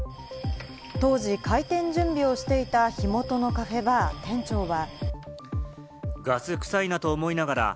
当時、開店準備をしていた火元のカフェバーの店長は。